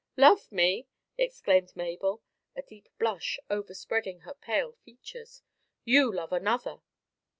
"Love me!" exclaimed Mabel, a deep blush overspreading her pale features. "You love another."